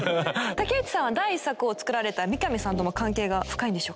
竹内さんは第１作を作られた三上さんとの関係が深いんでしょうか？